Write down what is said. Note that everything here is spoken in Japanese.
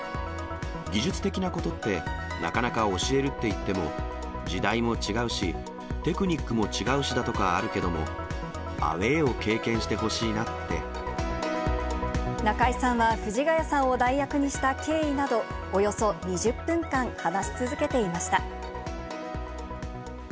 技術的なことって、なかなか教えるって言っても、時代も違うし、テクニックも違うしだとかあるけども、アウエーを経験してほしい中居さんは、藤ヶ谷さんを代役にした経緯など、およそ２０分間話し続けていました。